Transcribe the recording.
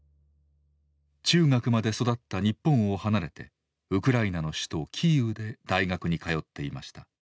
中学まで育った日本を離れてウクライナの首都キーウで大学に通っていました。